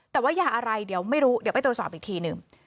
แต่ว่ายาอะไรเดี๋ยวไม่รู้เดี๋ยวไปตรวจสอบอีกทีหนึ่ง